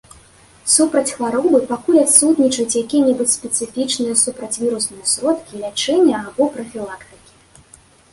Супраць хваробы пакуль адсутнічаюць якія-небудзь спецыфічныя супрацьвірусныя сродкі лячэння або прафілактыкі.